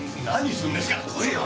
何するんですか！